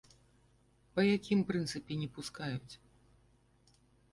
Па якім прынцыпе не пускаюць?